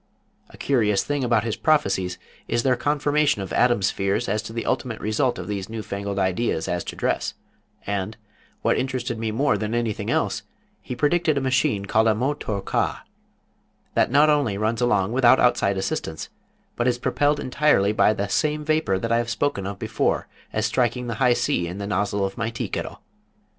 A curious thing about his prophecies is their confirmation of Adam's fears as to the ultimate result of these new fangled ideas as to dress, and, what interested me more than anything else, he predicted a machine called a Moh Thor Cah, that not only runs along without outside assistance, but is propelled entirely by the same vapor that I have spoken of before as striking the high C in the nozzle of my tea kettle.